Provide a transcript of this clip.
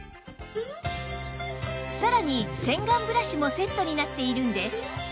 さらに洗顔ブラシもセットになっているんです